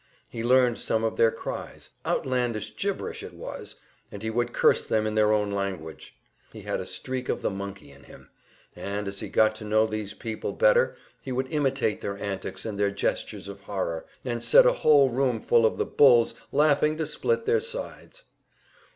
He learned some of their cries outlandish gibberish it was and he would curse them in their own language. He had a streak of the monkey in him, and as he got to know these people better he would imitate their antics and their gestures of horror, and set a whole room full of the "bulls" laughing to split their sides.